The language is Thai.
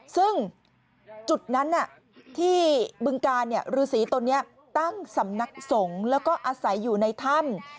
ซึ่งจุดนั้นที่บึงการฤษีตนนี้ตั้งสำนักสงฆ์แล้วก็อาศัยอยู่ในถ้ำ